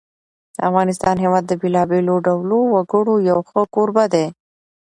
د افغانستان هېواد د بېلابېلو ډولو وګړو یو ښه کوربه دی.